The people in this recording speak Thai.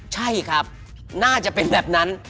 ใช่ครับน่าจะเป็นแบบนั้น